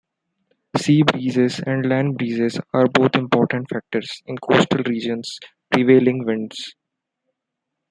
Sea breezes and land breezes are both important factors in coastal regions' prevailing winds.